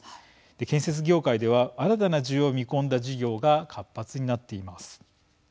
建設業界では新たな需要を見込んだ事業が活発になっています。